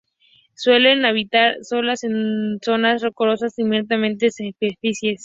Suelen habitar solas en las zonas rocosas intermareales de arrecife.